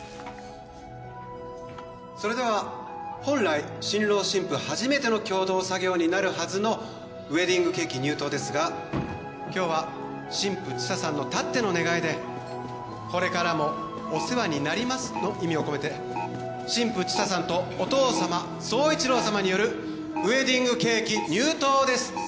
それでは本来新郎新婦初めての共同作業になるはずのウエディングケーキ入刀ですが今日は新婦千紗さんのたっての願いでこれからもお世話になりますの意味を込めて新婦千紗さんとお父様総一郎様によるウエディングケーキ入刀です！